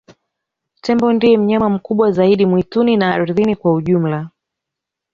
tembo ndiye mnyama mkubwa zaidi mwituni na ardini kwa ujumla